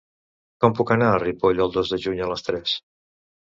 Com puc anar a Ripoll el dos de juny a les tres?